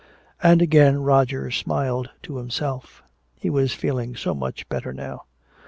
And again Roger smiled to himself. (He was feeling so much better now.)